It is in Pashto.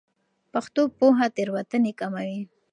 پښتو پوهه تېروتنې کموي.